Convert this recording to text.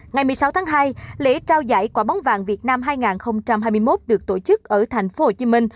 ngày một mươi sáu tháng hai lễ trao giải quả bóng vàng việt nam hai nghìn hai mươi một được tổ chức ở tp hcm